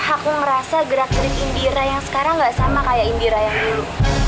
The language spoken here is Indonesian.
aku merasa gerak gerik indira yang sekarang gak sama kayak indira yang dulu